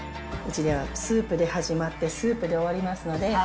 うちでは、スープで始まって、スープで終わりますので。